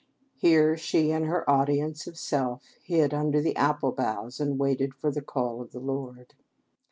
Here she and her audience of self hid under the apple boughs and waited for the call of the Lord.